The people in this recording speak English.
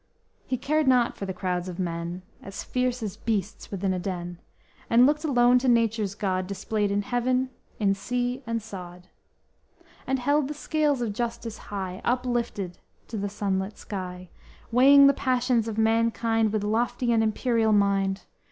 He cared not for the crowds of men As fierce as beasts within a den, And looked alone to Nature's God Displayed in heaven, in sea and sod, And held the scales of justice high Uplifted to the sunlit sky, Weighing the passions of mankind With lofty and imperial mind.